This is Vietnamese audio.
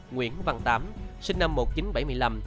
nguyễn văn tám sinh năm một nghìn chín trăm bảy mươi năm